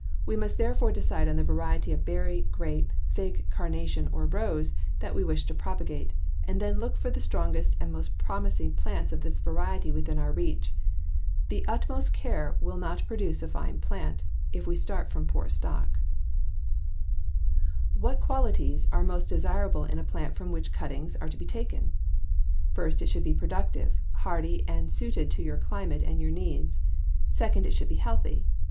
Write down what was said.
We must therefore decide on the variety of berry, grape, fig, carnation, or rose that we wish to propagate, and then look for the strongest and most promising plants of this variety within our reach. The utmost care will not produce a fine plant if we start from poor stock. [Illustration: FIG. 42. GERANIUM CUTTING Dotted line shows depth to which cutting should be planted] What qualities are most desirable in a plant from which cuttings are to be taken? First, it should be productive, hardy, and suited to your climate and your needs; second, it should be healthy.